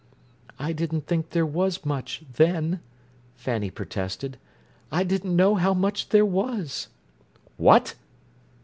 "I didn't think there was much, then," Fanny protested. "I didn't know how much there was." "What!"